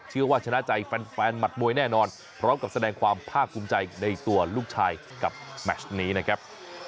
ชนะใจแฟนหมัดมวยแน่นอนพร้อมกับแสดงความภาคภูมิใจในตัวลูกชายกับแมชนี้นะครับ